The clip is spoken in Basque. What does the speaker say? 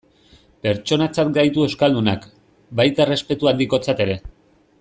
Pertsonatzat gaitu euskaldunak, baita errespetu handikotzat ere.